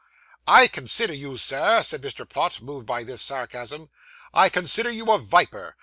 'I consider you, sir,' said Mr. Pott, moved by this sarcasm, 'I consider you a viper.